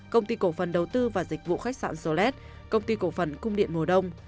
công ty cổ phần đầu tư và dịch vụ khách sạn solet công ty cổ phần cung điện mùa đông